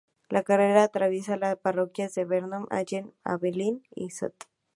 La carretera atraviesa las parroquias de Vernon, Allen, Evangeline, St.